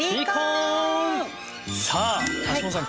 さあ橋本さん